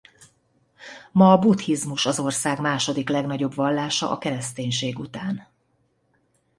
Ma a buddhizmus az ország második legnagyobb vallása a kereszténység után.